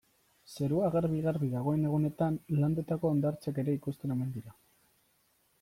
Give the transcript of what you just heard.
Zerua garbi-garbi dagoen egunetan Landetako hondartzak ere ikusten omen dira.